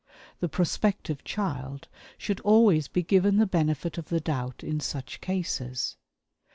The prospective child should always be given the benefit of the doubt in such cases.